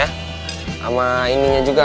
sama ininya juga